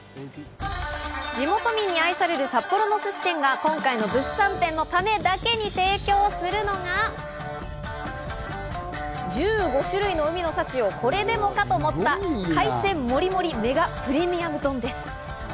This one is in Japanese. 地元民に愛される札幌のすし店が今回の物産展のためだけに提供するのが、１５種類の海の幸をこれでもかと盛った、海鮮モリモリメガメガプレミアム丼です。